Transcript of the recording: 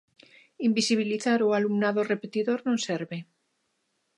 Invisibilizar o alumnado repetidor non serve.